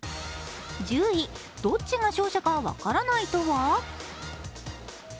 １０位、どっちが勝者かわからないとは？